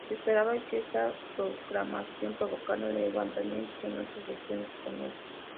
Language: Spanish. Se esperaba que esta proclamación provocara levantamientos en otras regiones españolas.